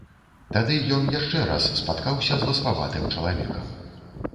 Тады ён яшчэ раз спаткаўся з васпаватым чалавекам.